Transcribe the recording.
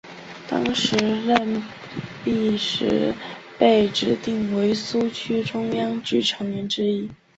当时任弼时被指定为苏区中央局成员之一。